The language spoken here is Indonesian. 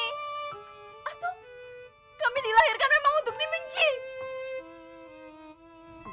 atau kami dilahirkan memang untuk dibenci